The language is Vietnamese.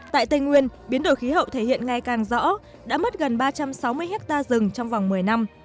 tại tây nguyên biến đổi khí hậu thể hiện ngày càng rõ đã mất gần ba trăm sáu mươi hectare rừng trong vòng một mươi năm